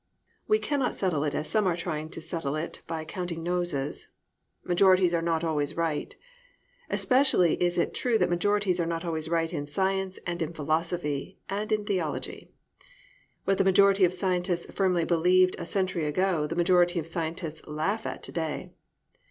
We cannot settle it as some are trying to settle it by "counting noses." Majorities are not always right. Especially is it true that majorities are not always right in science and in philosophy and in theology. What the majority of scientists firmly believed a century ago the majority of scientists laugh at to day.